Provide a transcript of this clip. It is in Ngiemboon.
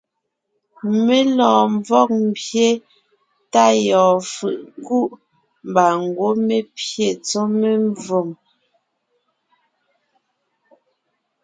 Mé lɔɔn ḿvɔg ḿbye tá yɔɔn fʉ̀ʼ ńkuʼ, mbà ńgwɔ́ mé pyé tsɔ́ memvòm.